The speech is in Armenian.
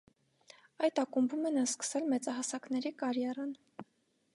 Այդ ակումբում է նա սկսել մեծահասակների կարիերան։